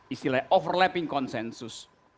istilahnya overlapping consensus